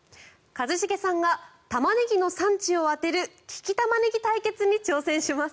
一茂さんがタマネギの産地を当てる利きタマネギ対決に挑戦します。